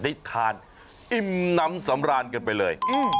ได้ทานอิ่มน้ำสำราญกันไปเลย